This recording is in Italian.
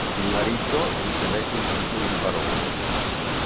Il marito ricevette il titolo di barone.